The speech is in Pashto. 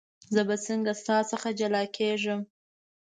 زه به څنګه ستا څخه جلا کېږم.